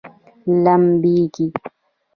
لمبیږي؟